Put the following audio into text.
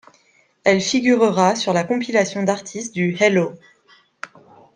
Elle figurera sur la compilation d'artistes du Hello!